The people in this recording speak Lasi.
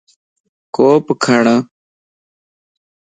ڪوپ کڙ